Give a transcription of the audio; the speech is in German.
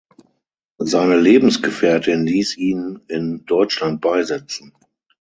Seine Lebensgefährtin ließ ihn in Deutschland beisetzen.